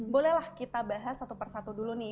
bolehlah kita bahas satu persatu dulu nih